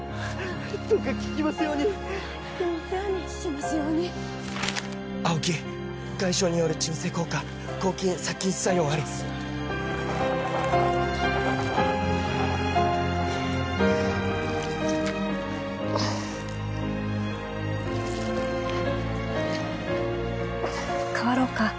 どうか効きますように効きますように効きますように「アオキ外傷による鎮静効果抗菌殺菌作用あり」代わろうか？